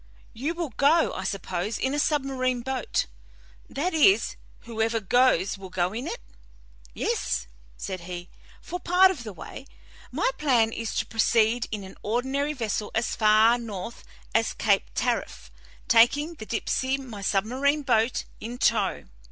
You will go, I suppose, in a submarine boat that is, whoever goes will go in it?" "Yes," said he, "for part of the way. My plan is to proceed in an ordinary vessel as far north as Cape Tariff, taking the Dipsey, my submarine boat, in tow.